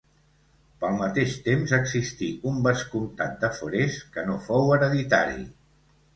Pel mateix temps existí un vescomtat de Forez que no fou hereditari.